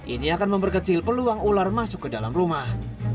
ini akan memperkecil peluang ular masuk ke dalam rumah